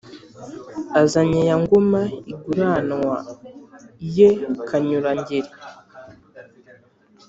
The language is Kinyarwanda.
azanye ya ngoma inguranwa ye kanyura-ngeri.